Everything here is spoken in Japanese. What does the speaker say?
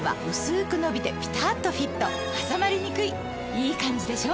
いいカンジでしょ？